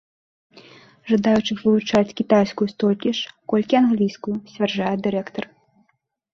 Жадаючых вывучаць кітайскую столькі ж, колькі англійскую, сцвярджае дырэктар.